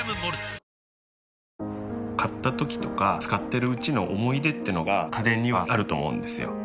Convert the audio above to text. くーーーーーっ買ったときとか使ってるうちの思い出ってのが家電にはあると思うんですよ。